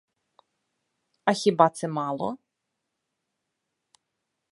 А хіба це мало?